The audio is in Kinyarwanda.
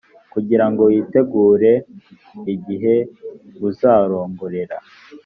kugira ngo witegure igiheb uzarongorera